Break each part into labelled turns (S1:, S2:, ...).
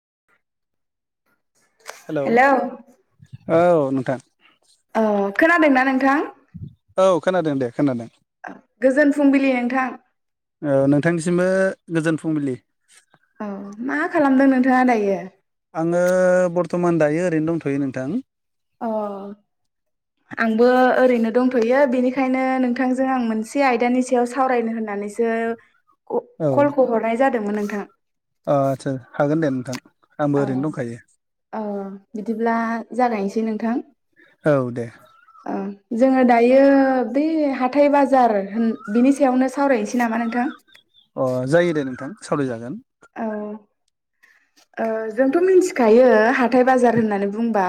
S1: [inaudible]
S2: Hello औ नोंथां
S1: ओ खोनादोंना नोंथां? गोजोन फुंबिलि नोंथां
S2: ओ नोंथांनिसिमबो गोजोन फुंबिलि।
S1: औ मा खालामदों नोंथाङा दायो?
S2: आङो बरटमान दायो ओरैनो दंथयो नोंथां।
S1: अ आंबो ओरैनो दंथयो बेनिखायनो नों नोंथांजों आं मोनसे आयदानि सायाव सावरायनो होननानैसो
S2: औ
S1: कलखौ हरनाय जाद दोंमोन नोंथां।
S2: आदसा हागोन दे नोंथां आंबो
S1: औ
S2: ओरैनो दंखायो
S1: औ बिदिब्ला जागायनोसै नोंथां।
S2: औ दे।
S1: ओ जोङो दायो बे हाथाय बाजार होन बिनि सायावनो सावरायनोसै नामा नोंथां।
S2: अ जायो दे नोंथां सालायजागोन।
S1: औ। ओ जोंथ मिथिखायो हाथाय बाजार होननानै बुंङोबा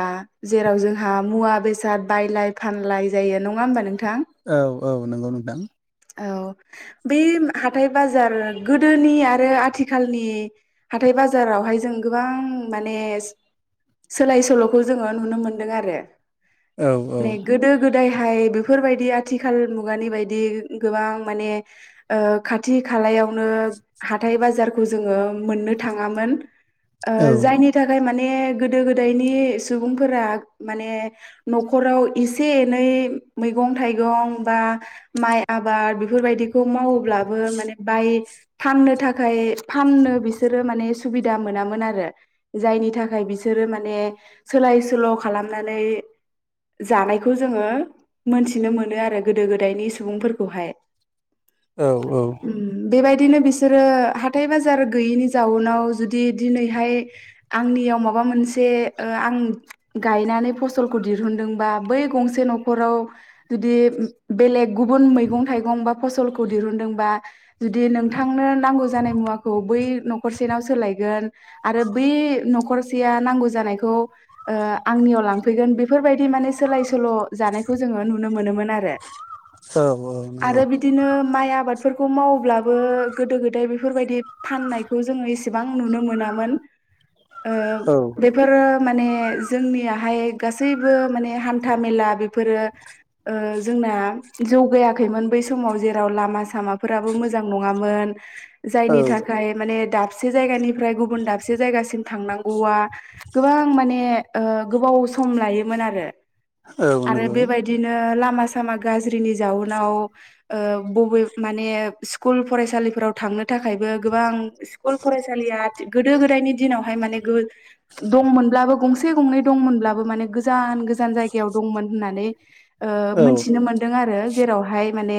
S1: जेराव जोंहा मुवा बेसाद बायलाय फानलाय जायो नङा होमबा नोंथां?
S2: औ औ नंगौ नोंथां।
S1: औ बे हाथथाय बाजार गोदोनि आरो आथिखालनि हाथाय बाजारावहाय जों गोबां माने सोलाय सोल'खौ जोङो नुनो मोनदों आरो।
S2: औ औ
S1: माने गोदो गोदायहाय बेफोरबायदि आथिखाल मुगानि बायदि गोबां माने ओ खाथि खालायावनो हाथाय बाजारखौ जोङो मोन्नो थाङामोन ओ
S2: औ
S1: जायनि थाखाय माने ने गोदो गोदायनि सुबुंफोरा माने न'खराव एसे एनै मैगं थाइगं बा माइ आबाद बेफोरबायदिखौ मावोब्लाबो माने बाय फाननो थाखाय फाननो बिसोरो माने सुबिदा मोनामोन आरो जायनि थाखाय बिसो सोरो माने सोलाय सोल' खालामनानै जानायखौ जोङो मोनथिनो मोनो आरो गोदो गोदायनि सुबुंफोर खौहाय उम बेबायदि दिनो बिसोरो हाथाय बाजार गैयैनि जाउनाव जुदि दिनैहाय आंनियाव माबा बा मोनसे ओ आं गायनानै फसलखौ दिहुनदोंबा बै गंसे न'खराव जुदि बेलेग गुबुन मै गं थाइगं बा फसलखौ दिहुनदोंबा जुदि नोंथांनो नांगौ जानाय मुवाखौ बै न'खर सेनाव सोलायगोन आरो बै न'खसेया नांगौ जानायखौ ओ आंनियाव लांफैगोन बेफोरबायदि सोलाय सल जानायखौ जोंङो नुनो मोनोमोन आरो।
S2: औ
S1: आरो बिदिनो माइ आबाद फोरखौ मावब्लाबो गोदो गोदाय बेफोरबायदि फाननायखौ जोङो एस बेसेबां नुनो मोनामोन ओ बेफोर माने जोंनियाहाय गासैबो माने हान्था मेला बेफोरो ओ जोंना जौ गायाखैमोन बै समाव जेराव लामा सामाफोराबो मोजां नङामोन।
S2: औ
S1: जायनि थाखाय माने दाबसे जायगानिफ्राय गुबुन दाबसे जायगासिम थांनांगौआ गोबां माने ओ गोबाव सम लायोमोन आरो।
S2: औ
S1: आरो
S2: नंगौ
S1: बेबायदिनो लामा सामा गाज्रिनि जाउनाव ओ बबे माने स्कुल फरायसालिफोराव थांनो थाखायबो गोबां इस्कुल फसालिया गोदो गोदायनि दिनावहाय माने गो दंमोनब्लाबो गंसे गंनै दंमोनब्लाबो माने गोजान-गोजान जायगायाव दंमोन होननानै ओ
S2: औ
S1: मोनथिनो मोनदों आरो। जेरावहाय माने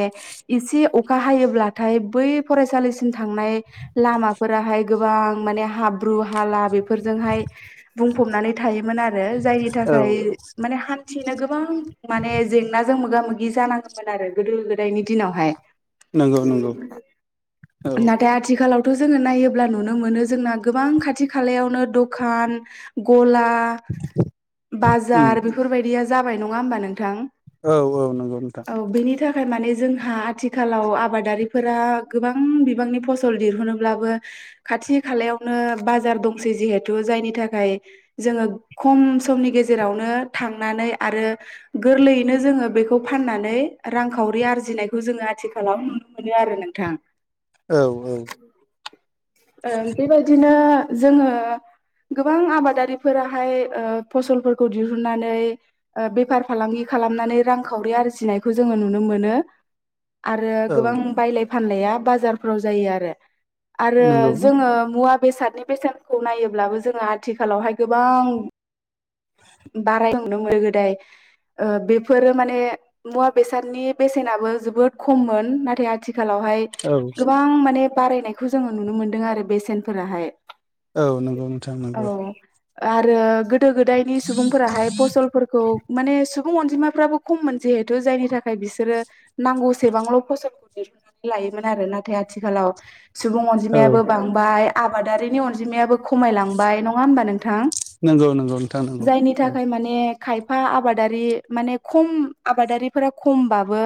S1: एसे अखा हायोब्लाथाय बै फरायसालिसिम थांनाय ला माफोराहाय गोबां माने हाब्रु हाला बेफोरजोंहाय बुंफबनानै थायोमोन आ रो जायनि
S2: औ नंगौ औ
S1: थाखाय माने हान्थिनो गोबां माने जेंनाजों मोगा मोगि जानां आरो गोदो गोदायनि दिनावहाय
S2: नंगौ नंगौ औ
S1: नाथाय आथिखालाव थ' जोङो नायोब्ला नुनो मोनो जोंना गोबां खाथि खालायावनो दखान गला आ
S2: उम
S1: बाजार बेफोरबायदिया जाबाय नङा हबा नोंथां?
S2: औ औ नंगौ। नोंथां
S1: औ बेनि थाखाय माने जोंहा आथिखालाव आबादारिफोरा गोबां बिबांनि फसल दिहुनोब्लाबो खाथि खालायावनो बाजार दंसै जिहेथु जायनि थाखाय जोङो ख'म समनि गेजेरावनो थांनानै आरो गोरलैयैनो जोङो बेखौ फानना नै रांखावरि आरजिनायखौ जोङो आथिखालाव नुनो मोनो आरो नोंथां।
S2: औ औ
S1: ओं बेबायदिनो जोङो गोबां आबादारिफोराहाय ओ फसलफोरखौ दिहुननानै ओ बेफार फालांगि खालामनानै रांखावरि आरजिनायखो जों नुनो आरो
S2: औ
S1: गोबां बायलाय फाननाय बाजारफ्राव जायो आरो
S2: नंगौ
S1: जोङो मुआ बेसादनि बेसेनखौ नायोब्लाबो जोङो आथिखालावहाय गोबां बाराय [unintelligible] गोदो गोदाय ओ बेफोरो माने मुवा बेसादनि बेसेनाबो जोबोद खममोन नाथाय आथिखालावहाय
S2: औ
S1: गोबां माने बारायनायखौ जोङो नुनो मोन्दों आरो बेसेनफोराहाय।
S2: औ नंगौ नोंथां
S1: औ
S2: नंगौ।
S1: आरो गोदो गोदायनि सुबुंफोराहाय फसलफोरखौ माने सुबुं अनजिमाफ्राबो खम मोन जिहेथु जायनि थाखाय बिसोरो नांगौसेबांल' फसलखौ दिहुननानै लायोमोन आरो नाथाय आथिखालाव सुबुं
S2: औ
S1: अनजिमायाबो बांबाय आबादारिनि अनजिमायाबो खमायलांबाय नङा होमबा नोंथां?
S2: नंगौ नंगौ नोंथां नंगौ
S1: जायनि थाखाय माने खायफा आबादारि माने खम आबादारिफोरा खमबाबो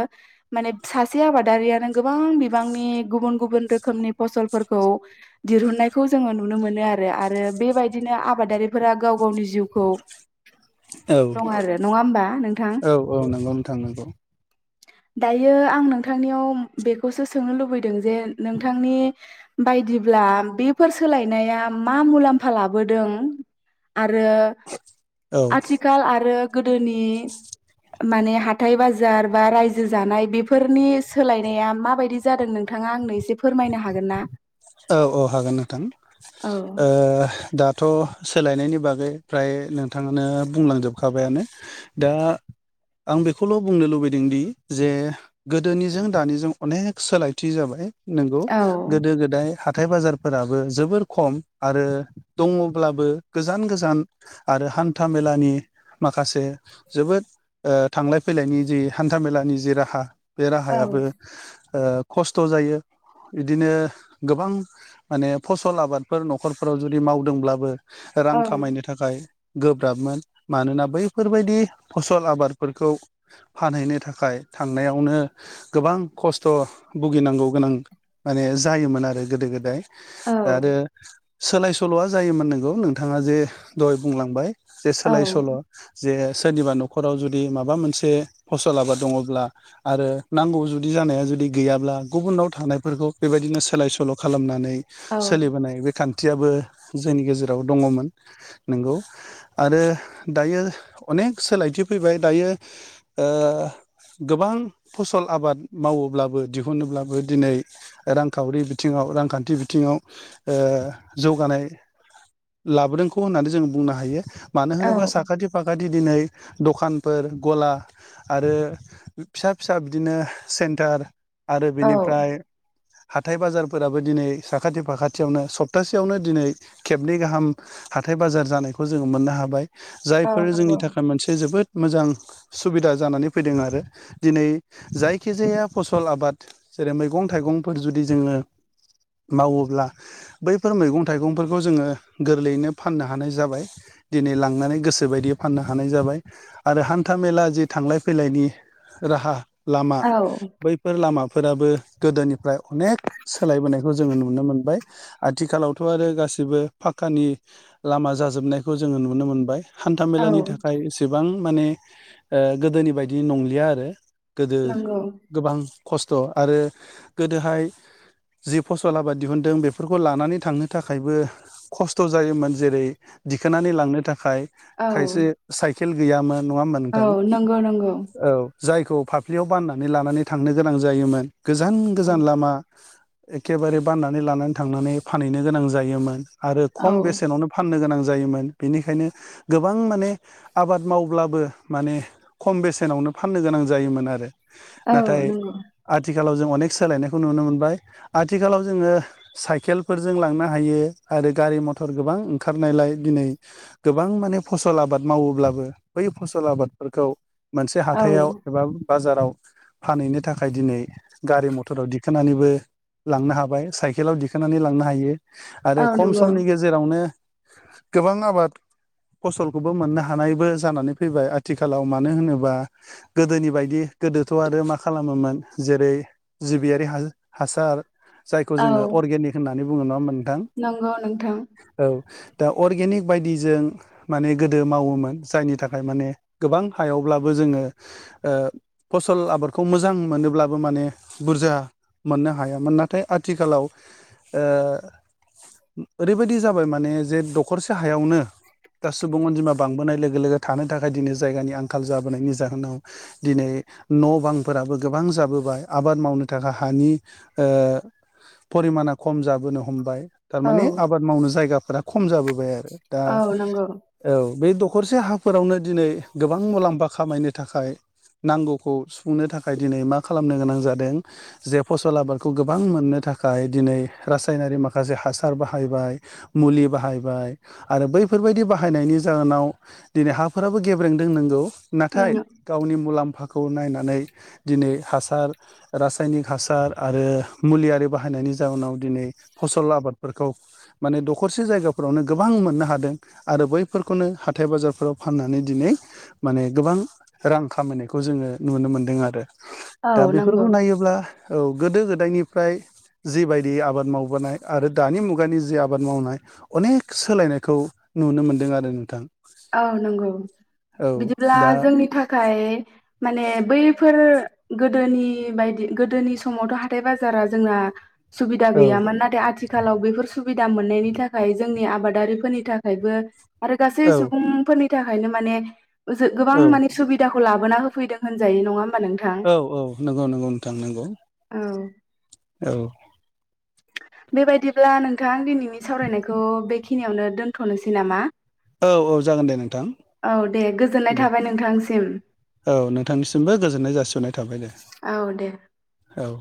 S1: माने सासे आबादारियानो गोबां बिबांनि गुबुन गुबुन गुबुन रोखोमनि फसलफोरखौ दिहुननायखौ जोङो नुनो मोनो आरो आरो बेबायदिनो आबाद आरि फोरा गाव गावनि जिउखौ
S2: औ
S1: दं आरो नङा होमबा नोंथां औ।
S2: थां नंगौ।
S1: दायो आं नोंथांनियाव बेखौसो सोंनो लुबैदों जे नोंथांनि बायदिब्ला बेफोर सोलायनाया मा मुलाम्फा लाबोदों? आरो
S2: औ
S1: आथिखाल आरो गोदोनि माने हाथाइ बाजार बा रायजो जानाय बेफोरनि सोलायनाया माबायदि जादों नोंथाङा आंनो एसे फोरमायनो हागोन ना?
S2: औ औ हागोन नोंथां
S1: औ
S2: ओ दाथ' सोलायनायनि बागै फ्राय नोंथांङनो बुंलांजोबखाबायानो दा आं बेखौल' बुंनो लुबैदोंदि जे गोदोनिजों दानिजों अनेक सोलायथि जाबाय नंगौ
S1: औ
S2: गोदो गोदाय हाथाय बाजारफोराबो जोबोर खम आरो दङब्लाबो गोजान गोजान आर आरो हान्था मेलानि माखासे जोबोद ओ थांलाय फैलायनि जि हान्था मेलानि जि राहा बे
S1: औ
S2: राहायाबो ओ खस्थ' जायो बिदिनो गोबां माने फसल आबादफोर न'खरफोराव जुदि मावदोंब्लाबो रां
S1: औ
S2: खामायनो थाखाय गोब्राबमोन मानोना बैफोरबायदि फसल आबादफोरखौ फानहैनो थाखाय थांनायावनो गोबां खस्थ' भुगिनांगौ गोनां माने जायोमोन आरो रो गोदो गोदाय
S1: औ
S2: दा आरो सोलाय सोल'आ जायोमोन नंगौ नोंथाङा जे दहाय बुंलांबाय। जे
S1: औ
S2: सोलाय सोल' जे सोरनिबा न'खराव जुदि माबा मोनसे फसलाबाद दङब्ला आरो नांगौ जुदि जानाया जुदि गैब्ला गुबुनाव थानायफोरखौ बेबायदिनो सोलाय सोल' खालामनानै सोलिबोनाय बे खान थियाबो जोंनि गेजेराव दङमोन नंगौ आरो दायो अन अनेख सोलायथि फैबाय दायो ओ गोबां फसल आबाद मावोब्लाबो दिहुनोब्लाबो दिनै रांखावरि बि बिथिङाव रांखान्थि बिथिङाव ओ जौगानाय लाबोदोंखौ होननानै जों बुंनो हायो मानो
S1: औ
S2: होनोबा साखाथि फाखाथि बिदि दिनै दखानफोर गला आरो फिसा फिसा बिदिनो सेन्टार आरो बेनिफ्राय हाथाय बाजार फोराबो दिनै साखाथि फाखाथियावनो सप्तासेयावनो दिनै खेबनै गाहाम हाथाय बाजार जानाय बेखौ जोङो मोननो हाबाय
S1: औ
S2: जायफोर जोंनि
S1: नंगौ
S2: थाखाय मोनसे जोबोद मोजां सुबिदा जानानै फैदों आरो दिनै जायखिजाया फसल आबाद जेरै मैगं थाइगंफोर जुदि जोङो मावोब्ला बैफोर मैगं थाइगंफोरखौ जोङो गोरलैयैनो फाननो हानाय जाबाय दिनै लांनानै गोसोबायदि बे फाननो हानाय जाबाय आरो हान्था मेला जि थांलाय फैलायनि राहा लामा
S1: औ
S2: बैफोर लामाफोराबो गोदोनिफ्राय अनेख [unintelligible] जोङो नुनो मोनबाय आथिखालावथ' आरो गासिबो फक्कानि लामा जाजोबनाय खौ जोङो नुनो मोनबाय हान्थ
S1: औ
S2: मेलानि थाखाय एसेबां माने गोदोनि बायदि नंलिया आरो गोदो
S1: नंगौ
S2: गोबां खस्थ आरो गोदोहाय जि फसल आबाद दिहुनदों बेफोरखौ लानानै थांनो थाखायबो खस्थ' जायोमोन जेरै दिखोननानै लांनो थाखाय
S1: औ
S2: खायसे साइकेल गैयामोन नङा होमबा
S1: औ
S2: नोंथां
S1: नंगौ नंगौ
S2: औ जायखौ फाफ्लियाव बाननानै लानानै थांनो गोनां जायोमोन गोजान गोजान लामा एखेबारे बाननानै लानानै थांनानै फानहैनो गोनां जायोमोन आरो
S1: औ
S2: खम बेसेनावनो फाननो गोनां जोमोन बेनिखायनो गोबां माने आबाद मावब्लाबो माने खम बेसेनावनो फाननो गोनां जायोमोन आरो
S1: औ
S2: नाथाय
S1: नंगौ
S2: आथिखालाव जों अनेक सोलायनायखौ नुनो मोनबाय आथिखालाव जोङो साइकेलफोरजों लांनो हायो आरो गारि मथर गोबां ओंखारनायलाय दिनै गोबां माने फसल आबाद मावोब्लाबो बै फसल आबादफोरखौ मोनसे
S1: औ
S2: हाथथायाव एबा बाजाराव फानहैनो थाखाय दिनै गारि मथराव दिखांनानैबो लांनो हाबाय साइकेलाव दिखांनानै लांनो हायो आरो
S1: औ
S2: खम
S1: नंगौ
S2: समनि गेजेरावनो गोबां आबाद फसलखौबो मोननो हानायबो जानानै फैबाय आथिखालाव मानो होनोबा गोदोनि बायदि गोदोथ आरो मा खालामोमोन जेरै जिबियारि हासार जायखौ
S1: औ
S2: जोङो अर्गेनिक होननानै बुङो नङा होमबा नोंथां
S1: नंगौ नोंथां
S2: औ दा अर्गेनिक बायदिजों माने गोदो मावोमोन जायनि थाखाय माने गोबां हायावब्लाबो जोङो ओ फसल आबादखौ मोजां मोनोब्लाबो माने बुरजा मोननो हायामोन नाथाय आथिखालाव ओरैबायदि जाबाय माने जे दखरसे हायावनो दा सुबुं अनजिमा बांबोनाय लोगो लोगो थानो थाखाय दिनै जायगानि आंखाल जाबोनायनि जाहोनाव दिनै न' बांफोराबो गोबां जाबोबाय आबाद मावनो थाखाय हानि ओ परिमाना खम जाबोनो हमबाय
S1: औ
S2: थारमानि आबाद मावनो जायगाफोरा खम जाबो दा
S1: औ नंगौ
S2: औ बे दखरसे हाफोरावनो दिनै गोबां मुलाम्फा खामायनो नि थाखाय नांगौखौ सुफुंनो थाखाय दिनै मा खालामनो गोनां जादों जे फसल आबादखौ गोबां मोननो थाखाय दिनै रासायनारि माखासे हासार बाहायबाय मुलि बाहायबाय आरो बैफोरबायदि बाहायनायनि जाहोनाव दिनै हाफोराबो गेब्रें दनांगौ नाथाय
S1: उम
S2: गावनि मुलाम्फाखौ खौ नायनानै दिनै हासार रासायनिक हासार आरो मुलियारि बाहायनायनि जाउोनाव दिनै फसल आबादफोरखौ माने दखरसे जायगाफोरावनो गोबां मोननो हादों आरो बैफोरखौनो हाथाय बाजारफोराव फाननानै दिनै माने गोबां रां रां खामायनायखौ जोंङो नुनो मोनदों आरो
S1: औ
S2: दा
S1: नंगौ
S2: बेफोरखौ नायोब्ला औ गोदो गोदायनि फ्राय जिबायदि आबाद मावबोनाय आरो दानि मुगानि जि आबाद मावनाय अनेक सोलायनायखौ नुनो मोन्दों आरो नोंथां
S1: औ नंगौ
S2: औ
S1: बिदिब्ला
S2: दा
S1: जोंनि थाखाय माने बैफोर गोदोनि बायदि गोदोनि समावथ' हाथाइ बाजारा जोंना सुबिदा
S2: औ
S1: गैयामोन नाथाय आथि खालाव बेफोर सुबिदा मोननायनि थाखाय जोंनि आबादारिफोरनि थाखायबो आरो गासै
S2: औ
S1: सु फोरनि थाखायनो माने ओ जो गोबां
S2: औ
S1: माने सुबिदाखौ लाबोना होफैदों होनजायो नंङा होम
S2: औ औ नंगौ नंगौ नोंथां नंगौ
S1: औ
S2: औ
S1: बेबायदिब्ला नोंथां दिनैनि सावरायनायखौ बेखिनियावनो दोन्थ'नोसै नामा?
S2: औ औ जागोन दे नोंथां
S1: औ दे गोजोननाय
S2: दे
S1: थाबाय नोंथांसिम
S2: औ नोंथांनिसिमबो गोजोननाय जासिहरनाय थाबाय दे
S1: औ दे
S2: । औ